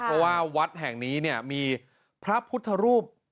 เพราะว่าวัดแห่งนี้เนี่ยมีพระพุทธรูป